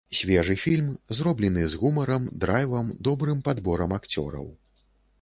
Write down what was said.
Свежы фільм, зроблены з гумарам, драйвам, добрым падборам акцёраў.